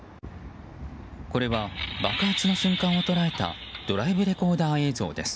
これは爆発の瞬間を捉えたドライブレコーダー映像です。